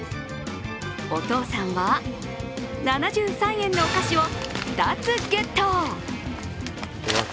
お父さんは７３円のお菓子を２つゲット。